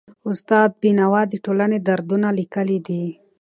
استاد بینوا د ټولني دردونه لیکلي دي.